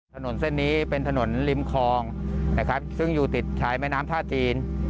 ถนนเส้นนี้เป็นถนนริมคลองนะครับซึ่งอยู่ติดชายแม่น้ำท่าจีน